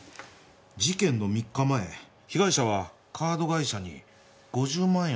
事件の３日前被害者はカード会社に５０万円を送金しています。